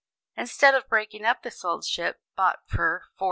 Instead of breaking up this old ship, bought for 4s.